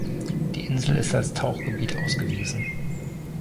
Die Insel ist als Tauchgebiet ausgewiesen.